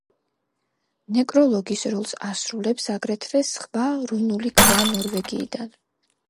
ნეკროლოგის როლს ასრულებს აგრეთვე სხვა რუნული ქვა ნორვეგიიდან.